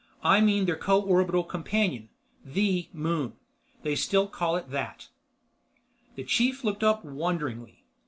I mean their co orbital companion. The Moon. They still call it that." The chief looked up wonderingly.